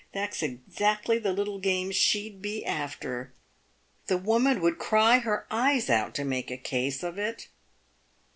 that's exactly the little game she'd be after. The woman would cry her eyes out to make a case of it."